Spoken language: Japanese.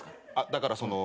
だからその。